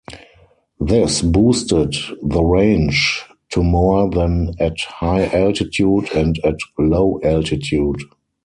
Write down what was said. This boosted the range to more than at high altitude and at low altitude.